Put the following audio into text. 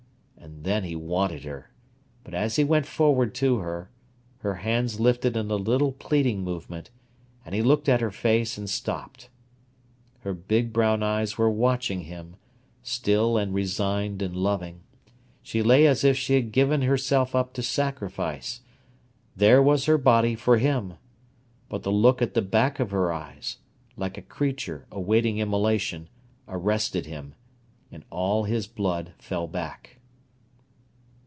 And then he wanted her, but as he went forward to her, her hands lifted in a little pleading movement, and he looked at her face, and stopped. Her big brown eyes were watching him, still and resigned and loving; she lay as if she had given herself up to sacrifice: there was her body for him; but the look at the back of her eyes, like a creature awaiting immolation, arrested him, and all his blood fell back.